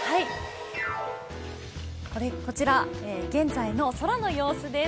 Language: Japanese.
こちら現在の空の様子です。